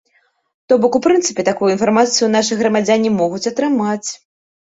То бок, у прынцыпе такую інфармацыю нашыя грамадзяне могуць атрымаць.